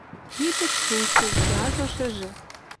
Титыч сусу — яжо шӹжӹ.